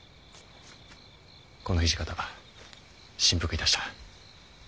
この土方心服いたした。